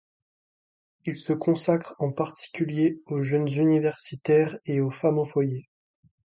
Il se consacre en particulier aux jeunes universitaires et aux femmes au foyer.